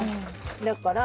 だから。